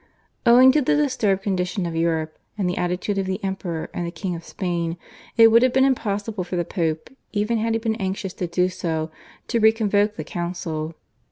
Owing to the disturbed condition of Europe and the attitude of the Emperor and the King of Spain, it would have been impossible for the Pope even had he been anxious to do so to re convoke the council.